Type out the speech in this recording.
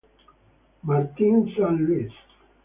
Martin St. Louis